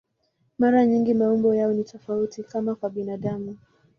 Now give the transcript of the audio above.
Mara nyingi maumbo yao ni tofauti, kama kwa binadamu.